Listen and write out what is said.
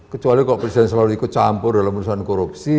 kecuali kalau presiden selalu ikut campur dalam urusan korupsi